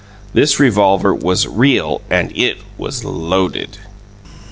This revolver was Real and it was Loaded!